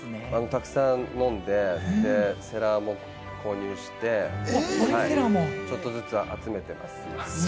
たくさん飲んで、セラーも購入して、ちょっとずつ集めてます、今。